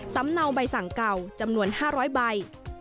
เนาใบสั่งเก่าจำนวน๕๐๐ใบ